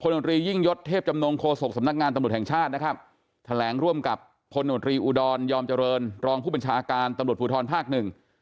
นตรียิ่งยศเทพจำนงโฆษกสำนักงานตำรวจแห่งชาตินะครับแถลงร่วมกับพลโนตรีอุดรยอมเจริญรองผู้บัญชาการตำรวจภูทรภาคหนึ่ง